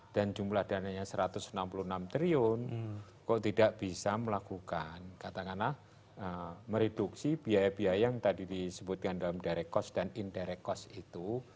dan jumlah dana yang rp satu ratus enam puluh enam triliun kok tidak bisa melakukan katakanlah mereduksi biaya biaya yang tadi disebutkan dalam direct cost dan indirect cost itu